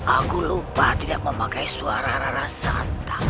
aku lupa tidak memakai suara rara santa